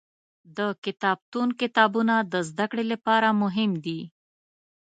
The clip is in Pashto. د کتابتون کتابونه د زده کړې لپاره مهم دي.